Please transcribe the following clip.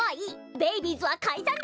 ベイビーズはかいさんだ！